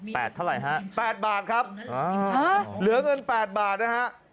๘เท่าไหร่ฮะ๘บาทครับเหลือเงิน๘บาทนะฮะ